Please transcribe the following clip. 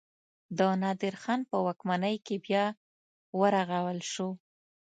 د نادر خان په واکمنۍ کې بیا ورغول شو.